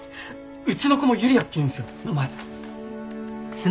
うちの子も「優里亜」っていうんですよ名前。